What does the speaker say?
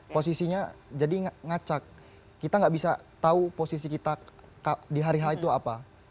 posisinya jadi ngacak kita nggak bisa tahu posisi kita di hari h itu apa